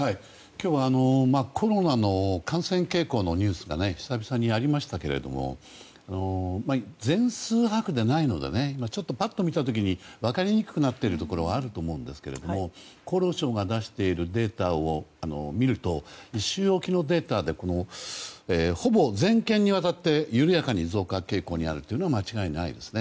今日はコロナの感染傾向のニュースが久々にありましたけれども全数把握でないのでパッと見た時に分かりにくくなっているところがあると思うんですけど厚労省が出しているデータを見ると１週おきのデータでほぼ全県にわたって緩やかに増加傾向にあるというのは間違いないですね。